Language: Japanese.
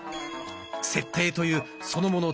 「設定」というそのもの